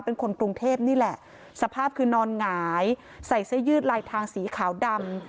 เป็นคนกรุงเทพนี่แหละสภาพคือนอนหงายใส่เสื้อยืดลายทางสีขาวดำ